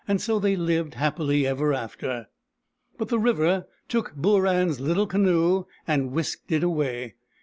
So they lived happily ever after. But the river took Booran's little canoe and whisked it away.